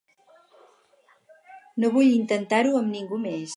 No vull intentar-ho amb ningú més.